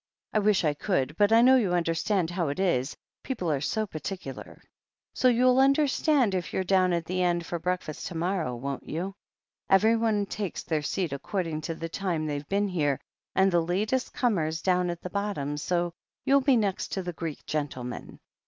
I wish I could, but I know you understand how it is — ^people are so particular. So you'll understand if you're down at the end for breakfast to morrow, won't you? Everyone takes their seat according to the time they've been here — and the latest comers down at the bottom, so you'll be next to the Greek gentleman.